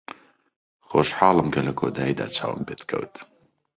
خۆشحاڵم کە لە کۆتاییدا چاوم پێت کەوت.